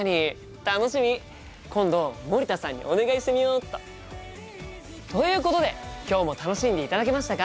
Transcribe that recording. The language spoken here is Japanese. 今度森田さんにお願いしてみよっと。ということで今日も楽しんでいただけましたか？